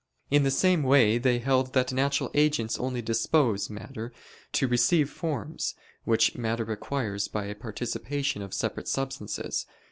In the same way they held that natural agents only dispose (matter) to receive forms, which matter acquires by a participation of separate substances.